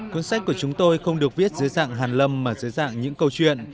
cuốn sách của chúng tôi không được viết dưới dạng hàn lâm mà dưới dạng những câu chuyện